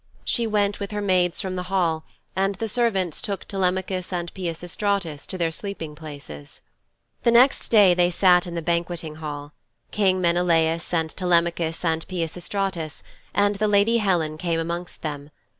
She went with her maids from the hall and the servants took Telemachus and Peisistratus to their sleeping places. The next day they sat in the banqueting hall; King Menelaus and Telemachus and Peisistratus, and the lady Helen came amongst them.